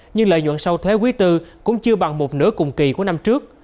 nhưng lợi nhuận sau thế quý tư cũng chưa bằng một nửa cùng kỳ của năm trước